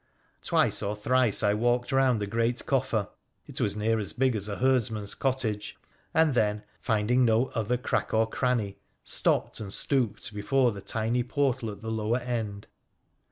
Twice or thrice I walked round the great coffer— it was near as big as a herdsman's cottage — and then, finding no other crack or cranny, stopped and stooped before the tiny portal at the lower end.